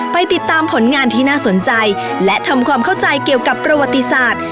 ไปติดตามผลงานที่น่าสนใจและทำความเข้าใจเกี่ยวกับประวัติศาสตร์